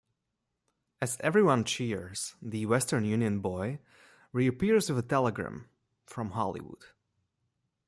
As everyone cheers, the Western Union Boy reappears with a telegram from Hollywood.